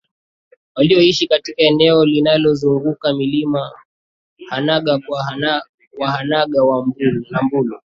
walioishi katika eneo linalozunguka Mlima Hanang kwa waHanang na Mbulu